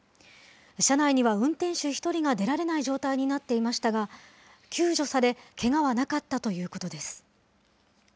車内には運転手１人が出られない状態になっていましたが、救助され、けがはなかったということです。